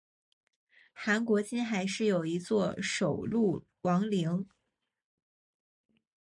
韩国金海市有一座首露王陵。